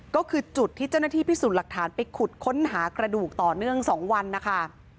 ก็คือจุดที่เจ้าหน้าที่พิสูจน์หลักฐานไปขุดค้นหากระดูกต่อเนื่อง๒วันนะคะ